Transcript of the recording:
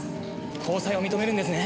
交際を認めるんですね？